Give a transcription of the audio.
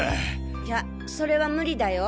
いやそれは無理だよ。